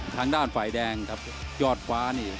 ทางด้านฝ่ายแดงกับยอดฟ้านี่